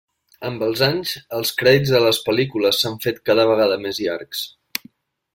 Amb els anys, els crèdits a les pel·lícules s'han fet cada vegada més llargs.